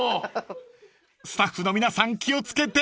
［スタッフの皆さん気を付けて！］